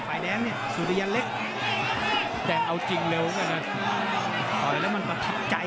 ฝ่ายแดงเนี่ยสุริยันเล็กแดงเอาจริงเร็วด้วยนะต่อยแล้วมันประทับใจ